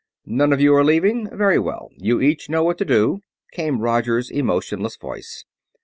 "None of you are leaving? Very well, you each know what to do," came Roger's emotionless voice.